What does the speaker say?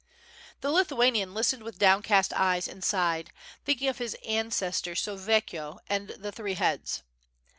The Lithuanian listened with downcast eyes and sighed, thinking of his ancestor Stoveyko and the three heads.